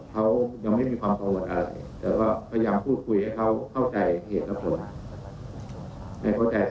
เขายังไม่มีความประโยชน์อะไร